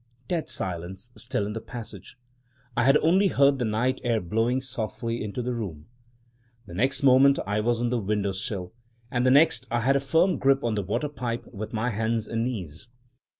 dead silence still in the passage — I had only heard the night air blowing softly into the room. The next moment I was on the window sill — and the next I had a firm grip on the water pipe with my hands and knees.